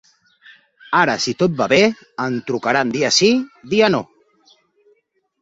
Ara si tot va bé, em trucaran dia sí, dia no.